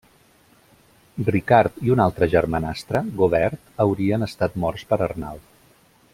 Ricard i un altre germanastre, Gaubert, haurien estat morts per Arnald.